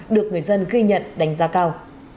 được người dân ghi nhận đánh giá cao